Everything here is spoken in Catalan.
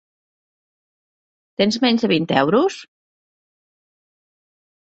Tens menys de vint euros?